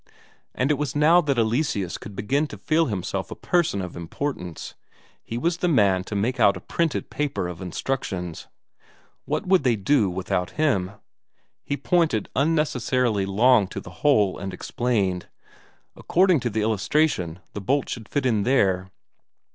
And it was now that Eleseus could begin to feel himself a person of importance; he was the man to make out a printed paper of instructions. What would they do without him? He pointed unnecessarily long to the hole and explained: "According to the illustration, the bolt should fit in there."